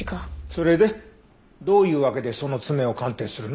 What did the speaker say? それでどういうわけでその爪を鑑定するの？